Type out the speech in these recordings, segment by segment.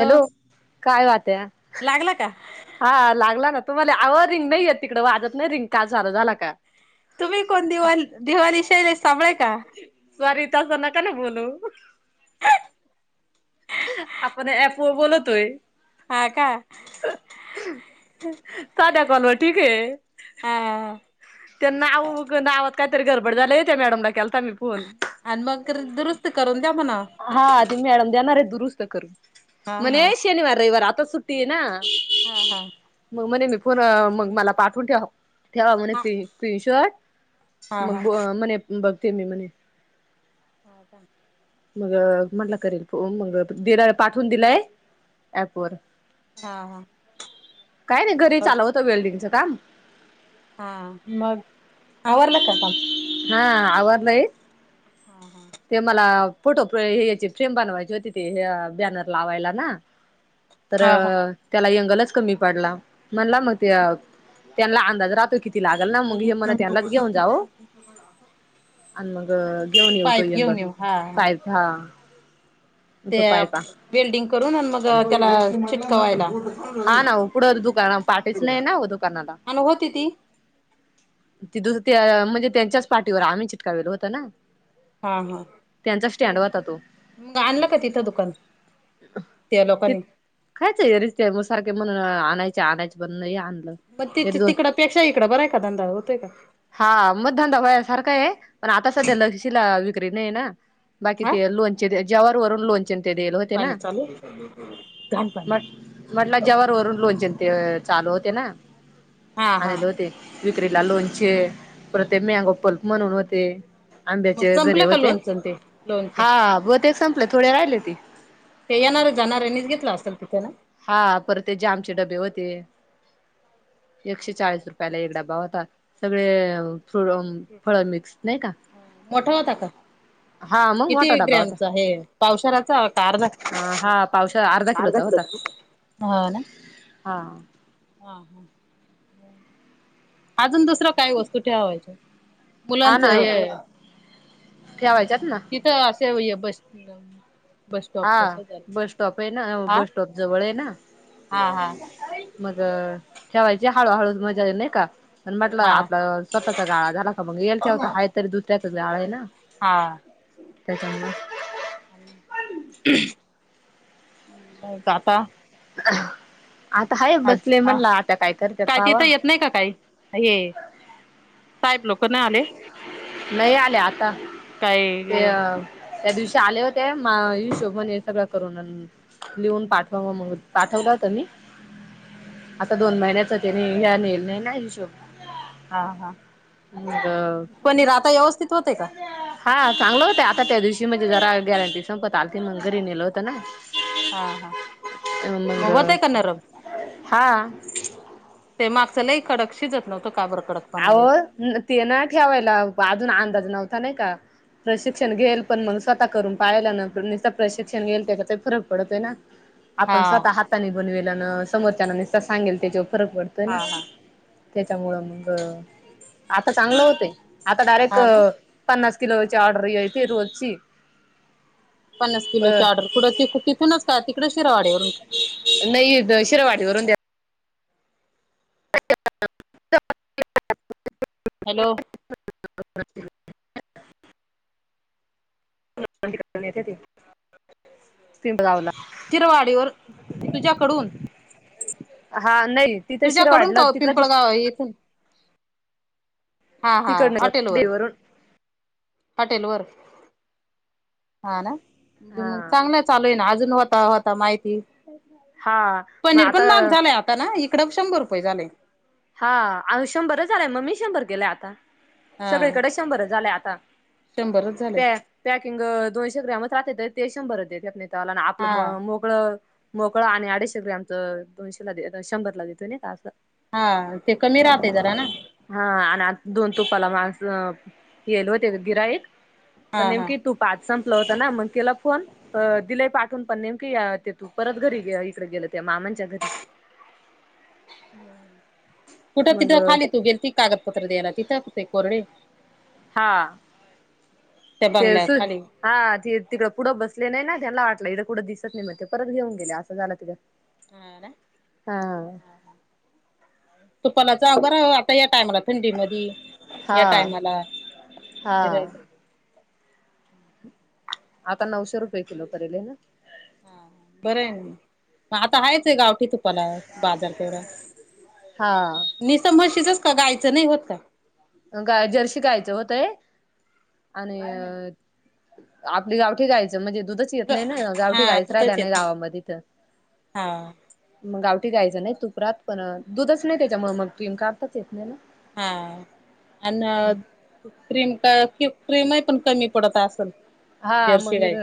Hello काय वात्या लागला का? हा लागला ना तुम्हाला आव रिंग नय येत तिकडं वाजत नाय रिंग काल चालू झाला का. तुम्ही कोण दिवा दिवाली शैलेश सांभळे का? स्वारी तस नका ना बोलू. आपण ॲप वर बोलतोय. हा का साध्या कॉलवर ठीक ये. हा त्यांना अहो नावात कायतरी गडबड झालेय, त्या मॅडमला केलता मी फोन. आणि मग कर दुरुस्त करून द्या म्हणावं. हा, ती मॅडम देणारेत दुरुस्त करून, हा हा म्हने शनिवार- रयवार आता सुट्टी ये ना. हा हा म म्हणे मी फोन, मग मला पाठवून ठेवा ठेवा म्हणे हा ती स्क्रीन शॉर्ट मग हा म्हणे बघते मी म्हणे. हा का मग म्हटला करेल फोन, मंग - दिड पाठवून दिलंय. ऍप वर हा हा हा काय नाय घरी मग चालल होत वेल्डिंगचं काम हा मग आवरलं का काम? हा आवारलय. हा हा ते मला फोटो हे याची फ्रेम बनवायची होती ते हे बॅनर लावायला ना तर हा हा त्याला यंगलच कमी पाडला म्हणला मग त्या त्यांना अंदाज राहतोय किती लागल ना मग हे म्हण त्यांलाच घेऊन जा ओ [unintelligible] असं आणि मंग घेऊन येवू तो घेऊन यंगत येऊ हा पाईप हा ते तो पायपा वेल्डिंग करून आणि मग त्याला चिटकवायला. हा ना ओ कुडं दुकान पाठीच नाय ना आहो दुकानाला. आणि होती ती तिदचं त्या म्हणजे त्यांच्याच पाटीवर आम्ही चिटकावेल होत ना. हा हा त्यांचा स्टँड होता तो मंग आणलं का तिथं दुकान त्या लोकांनी कांआचे गं निस्ते सारखे म्हणू आणायचे आणायच पण नय आणलं. म एक त्येचा दोन तिकडपेक्षा इकडे बरांय का धंदा होतोय का? हा मग धंदा वयासारखा आहे पण आता सध्या लशीला विक्री नाही ना बाकी हा ते लोणचे ज्यावर वरून लोणचे चि तेल होते पाणी ना चालू घाण पाणी म म्हटलं जेवर वरून लोणचेन ते चालू होते ना हा हा आणले होते विक्रीला लोणचे पर ते मॅगो पल्प म्हणून होते मग आंब्याचे घर संपलं का वते लोणचं ते लोणचं हा वते संपलं थोडे राहिले ती ते येणार जाणारऱ्यांनीच घेतला असेल तिथे ना हा पर ते जामचे डबे होते एकशे चाळीस रुपयाला एक डबा होता सगळे फ ह मोठवाता का हा मग किती मोठा डबा होता. ग्रॅमच आहे पावसाळाचा अर्ध अ हा पावशा अर्धा अर्ध किलोचा होता. हा ना हा हा हा अजून दुसरं काय वस्तू ठेवायच्या हा ना मुलांचं हे ठेवायच्यात ना तिथं असे बस बस हा स्टॉपच्या शेजारी बस स्टॉप आहे ना हा बस स्टॉप जवळ आहे ना हा मग ठेवायची हळू हळू मजा आ नाही का पण म्हटलं हा आपला स्वतचा गाळा झाला का मग येईल कव होता हा तरी दुसऱ्याच गाळा आहे ना हा त्या चां काट आता हाय आज बसले हा म्हटला आता काय करते तिथं पावा येत नाही का काही हे साहेब लोक नाही आले नाही आल्या आता काय ते त्या दिवशी आले होते हिशोभन हे सगळं करून लिहून पाठवाव मग पाठवला होता मी आता दोन महिन्याच त्यानी ह्या लिहले नाही ना हिशोब हा हा मग पण राहता व्यवस्थित होते का? हा चांगलं होत आता त्या दिवशी म्हणजे जरा गॅरंटी संपत आल त मग घरी नेलं होतं ना. हा हा मग होतय का नरम हा ते माग चलं ह कडकशी जत नव्हतं काबर कडक अह ते ना ठेवायला अजून अंदाज नव्हता नाही का प्रशिक्षण घेईल पण मग स्वतः करून पाहियला ना प्रशिक्षण घेईल त्याच्याही फरक पडत आहे ना [inaudible] आपण स्वतः हाताने बनवेल न समोरच्या ना नसता सांगेल त्याच्यावर फरक पडतोय ना हा हा त्याच्यामुळं मग आता चांगलं होतय आता डायरेक्ट हा ना पननास किल वची आर्डर यती रोजची पन्नास किलो अ ऑडर कुडं ते तिथूनच का तिकडे शिरावाडवरून नाही शिरवाडीवररून द्या हॅलो [inaudible] य तन बजावला किरवाडीवर तुझ्याकडून हा नाही तिथं शिरा वाढला. तिकडेच ह येत हा हा तिकड हॉटेल वर देवरून हॉटेल वर हा ना हा चांगलं चालू आहे ना अजून होता होता माहिती हा मग पनीर पण महाग आता झालये आता ताना इकड शंभर रुपये झाले. हा अ शंभरच झालंय म मी शंभर केलंय आता हा सगळीकडे शंभर झालं आता. शंभरच झाले. पॅ पॅकिंग दोनशे ग्रॅम राहते ते शंभर देत त्याला आपलं हा म मो मोकळ मोकळां आणि अडीचशे ग्रामच दोनशेला देत शंभरला देता नाही का असं. हा ते कमी राहते जरा ना. हा आणि आ दोन तुपाला माणस येल होते गिराईक पण हा हा नेमकी तूप आज संपलं होतं ना मग केला फोन दिलय पाठून पण नेमकी ते तूप परत घरी इकडे गेल त्या मामांच्या घरी. कुठं मग तिथं खाली तू गेल ती कागदपत्र द्यायला तिथं ते कोरडे. हा त्या तेच. बंगल्या खाली हा ते तिकंड पुढं बसले नाही ना त्यांना वाटलं इथं कुठं दिसत नाही मग ते परत घेऊन गेले असं झाला तिथं. हा ना हा. तुपालाचा बर आता या टाइमला थंडी मधी. या हा टाईमाला हा. [unintelligible] आता नऊशे रुपये किलो करेलले ना? हा बरं आहे मग आता हायेच ये गाव. तुपाला बाजार तेवढा हा निसत म्हशीचच का गायचं नाही होत का? गाय जर्शी गायचं होतंय आणि आपली गावठी गाईच म्हणजे दुधच येत नाही ना गावठी हा गायच राहिल्या दुधच येत नाही गावामध्ये तर हा मग गावठी गायचं नाही तुपात पण दुधच नाही त्याच्यामुळे मग तीम काढताच येत नाही ना. हा आणि क्रीम का क्रीमही पण कमी पडत असल. हा मगर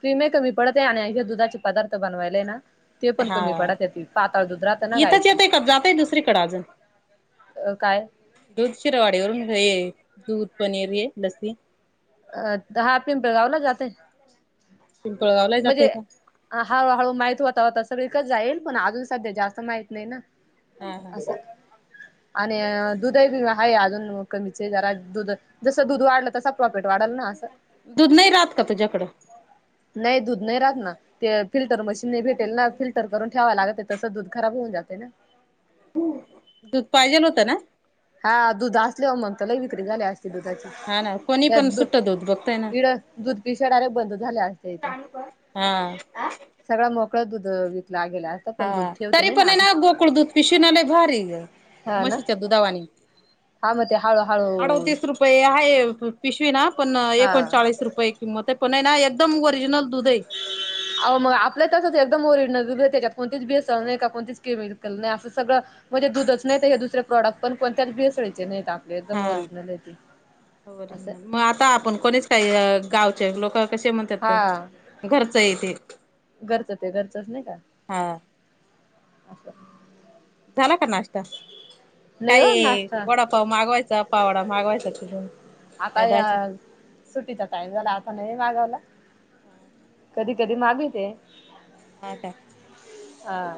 क्रीम ही कमी पडते आणि हे दुधाचे पदार्थ बनवायलाय ना ते पण हा कमी पडत हे तील पातळ दुध राहता ना इथंच गाईचं. येतय का जातय दुसरीकडे अजून अ काय? दूध शिरवाडीवरून हे दूध पनीर हे लस्सी. अ हा पिंपळगावला जाते. पिंपळावला ही जातेय का? हळू हळू माहित होता होता सगळीकच जाईल पण अजून सध्या जास्त माहित नाही ना हा हा असं. आणि दुधही आहे अजून कमीचे जरा दुध जसं दूध वाढलं तस दूध नाही राहत का तुझ्याकडं? नाही दूध नाही राहत ना. ते फिल्टर मशीन नाही भेटेल ना फिल्टर करून ठेवा लागत तसं दूध खराब होऊ जाते ना. दूध पाहिजेल होतं ना? हा दुध असल्यावर मग त लई विक्री झाली अस दुधाचा हा ना कोणी त्या पण दु सुट्ट दूध बघताय ना इड दूध पिशव्या डायरेक्ट बंद झाल्या असत्या इथं. हा. सगळां मोकळं दूध वितला गेला हा पण दूध ठेवते तरी नाही पण ना अजून गोकुळ दूध पिशवी ना लयभारी हा ना म्हशीच्या दुधावानी हा मग ते हळूहळू अडोतीस रुपये आहे पिशवी ना पण हा एकोणचाळीस रुपये किंमत आहे पण हाय ना एकदम ओरिजिनल दूध आहे. आओ मग आपल ही तसच ये एकदम ओरिजनल दूध ये त्याच्यात कोणतीच भेसळ नाही का कोणतेच केमिकल नाही असं सगळं म्हणजे दूधच नाहीत हे दुसर प्रॉडक्ट पण कोणतच भेसळीचे नाहीत आत हा असं मग आता आपण कोणीच काई गावचे लोक कसे म्हणतात हा घरचं ये तेे. घरचं ते घरचच नाही का. हा असं. झाला का नाश्ता? नाही काय हो नाश्ता वडापाव मागवायचा पाव वडा मागवायचा. [unintelligible] सुटीचा टाइम झाला आता नाही मागवला. ह ह. कधी कधी मागविते. ह का? हा.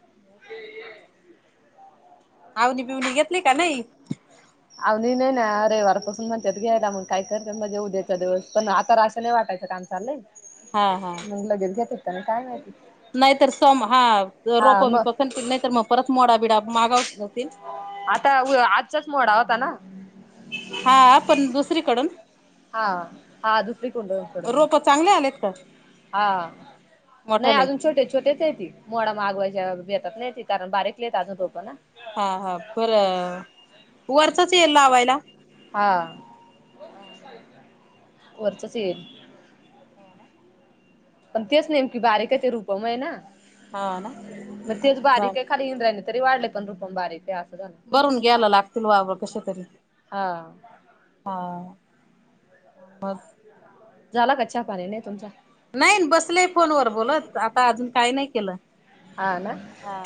[unintelligible] आवनी पिवणी घेतली का नाही? अवही नाही ना रविवारपासून म्हणतात घ्यायला मग काय करते म्हणजे उद्याच्या दिवस पण आता असं नाही वाटायच. काम चालल हा हा. मग लगेच घेत काय माहित? नाहीतर सम हा रोप बप नाही तर मग परत मोडा बिडा मागावततील. आता आजचाच मोडा होता ना? हा पण दुसरीकडून. हा हा दुसरी को कड. रोप चांगले आलेत का? हा नाही मोठाले अजून छोटे छोटेच हायती. मोडा मागवायच्या बेतात नाही ती कारण बारीक येत अजून तो पण हा हा ब वरचाच येईल ला लावायला. हा हा हा वरचच येईल. हो ना? पण तेच नेमकी बारीकचे रूपम आहे ना? हा ना म तेच बारीक बर खरी इंद्राने तरी वाढले पण रूपम बारी ते अस. बरून घ्यायला लागतील वाव कशतरी हा हा मग झाला कच्चा पाणी नाही तुमचा? नाही बसलेय फोनवर बोलत आता अजून काय नाही केलं. हा ना? हा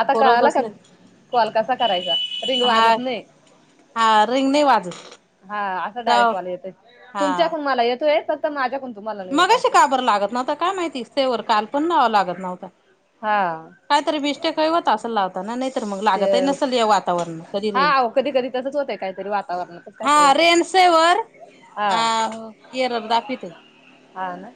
आता का पोर आला का? बसलेत कॉल कसा करायचा रिंग हा वाजत नाही. हा रिंग नाही वाजत हा असा जाव डायरेक्ट कॉल येतोय हा तुमच्याकून मला येतोय. माझ्या पण तुम्हाला नाही येत मगाशी असं. का लागत ना काय माहिती? सेवर काल पण नावं लागत नव्हतता. हा. काय तरी ब मिस्टेक होत असलत. ते कधी हा रेंज कधी कधी तसच होतं काहीतरी हा वातावरणात. रेनसेवर [inaudible] एरर दाखवते. हा ना?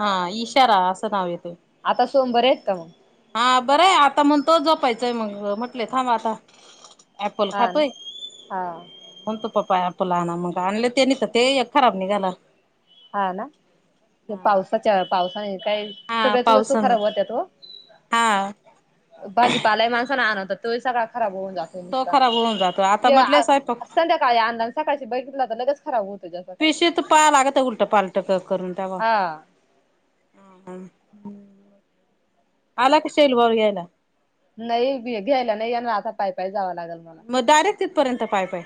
हा इशारा असं नाव येतेय. आता सोहम बरे आहेत का मग? हा बरंय आता मण तो जोपायचाय मग म्हटलेय थांब आता. अऍप्पल हा ना खातोय. हा म्हण तू पपा आपला आण मग आणले ते नि ते एक खराब निघाला. हा ना ते पावसाच्या पावसाने काय? हा सगळ्याच वस्तू पावसामुळे खराब होत्यात हो. हा भाजी पालाही माणसाना आणतातो सगळा खराब होऊ जातो. तो नुसता खराब होऊन जातो. आता म्हटले स्वयंपाक संध्याकाळी अंदा आणि सकाळशी बैकितला तर लगेच खराब होतो जसं काय? पा लागत उलट पालट करून त्याव्हा हा ह आला कसे येल वर घ्यायला. नाही घ्यायला नाही याणार आता पायपाय जावा लागेल मग मगडायेट तिथपर्यंत पाय पाय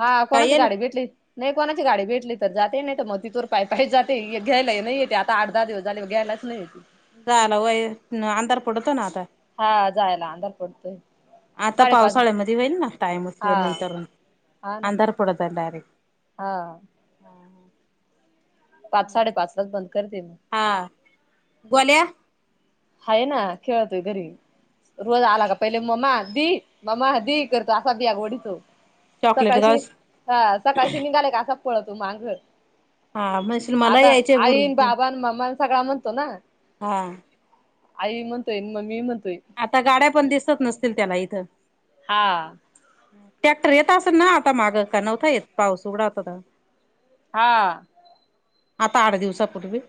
हा काय कोणाची येल गाडी भेटली? नाही कोणाची गाडी भेटली तर जाते नाही तर मग तिथोर पाय पाय जाते घ्याय नाही येते आता आठ दहा दिवस झाले घ्यायला. नाही का सहाला वय अंधार पडतो ना आता हा जायला अंधार पडतोय आता साडेपाच पावसाळ्यामध्ये होईल ना टाइमच हा नंतर हा ना अंधार पडत डायरेक्ट हा हम्म पाच साडे पाचला बंद करते मी हा गोल्या हा ना खेळतोय घरी रोज आला का पहिले मम्मा दी मम्मा दी करतो असा बाग ओढडीतो चॉकलेट सकाळशी गावस हा सकाळशी निघाले का असा पळतो माघ हा म्हणशील मला आता यायचे बुर आईन बाबां मम्मान सगळा म्हणतो ना हा आई म्हणतोय मम्मी म्हणतोय आता गाड्या पण दिसत नसतील त्याला इथं हा टॅक्टर येत असेल ना आता माग का नव्हता येत पाऊस उघडा होता हा आता आठ दिवसापूर्वी